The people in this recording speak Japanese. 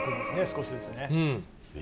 少しずつね。